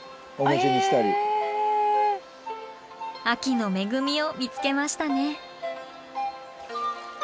秋の恵みを見つけましたね。